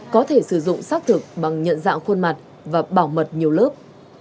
có thể sử dụng xác thực bằng nhận dạng khuôn mặt và bảo mật nhiều lớp